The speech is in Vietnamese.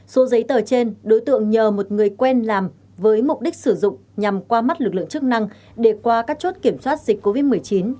số giấy tờ trên đối tượng nhờ một người quen làm với mục đích sử dụng nhằm qua mắt lực lượng chức năng để qua các chốt kiểm soát dịch covid một mươi chín